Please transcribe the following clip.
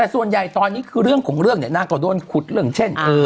แต่ส่วนใหญ่ตอนนี้คือเรื่องของเรื่องเนี่ยนางก็โดนขุดเรื่องเช่น